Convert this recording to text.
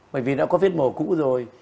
bởi vì đã có viết mổ cũ rồi